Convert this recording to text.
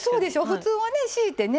普通はねしいてね